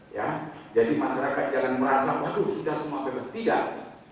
ya jadi masyarakat jangan merasa aduh sudah semua bebas tidak